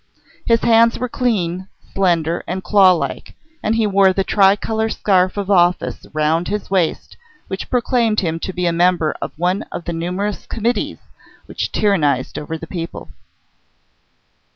His hands were clean, slender, and claw like, and he wore the tricolour scarf of office round his waist which proclaimed him to be a member of one of the numerous Committees which tyrannised over the people.